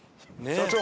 社長。